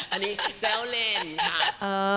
อันนี้แซวเล่นค่ะ